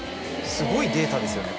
すごいデータですよね